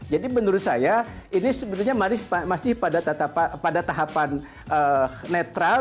menurut saya ini sebenarnya masih pada tahapan netral